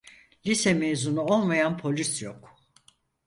Lise mezunu olmayan polis yok.